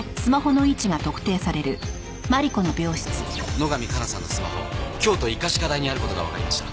野上加奈さんのスマホ京都医科歯科大にある事がわかりました。